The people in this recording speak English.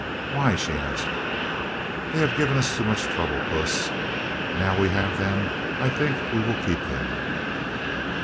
"Why?" she asked. "They have given us too much trouble, Puss. Now we have them, I think we will keep them."